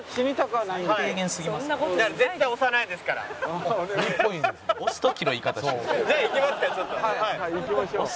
はい行きましょう。